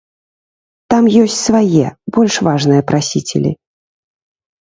Там ёсць свае, больш важныя прасіцелі.